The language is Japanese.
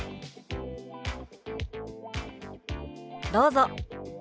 どうぞ。